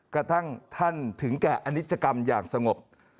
กระทั่งท่านถึงแก่อนิจกรรมอย่างสงบ